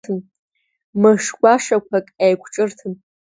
Мышгәашақәак еиқәҿырҭын…